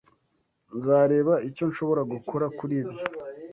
Nzareba icyo nshobora gukora kuri ibyo.